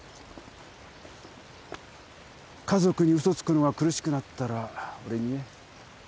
家族に嘘つくのが苦しくなったら俺に言え。